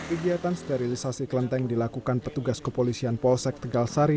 ibiatan sterilisasi klenteng dilakukan petugas kepolisian polsek tegal sari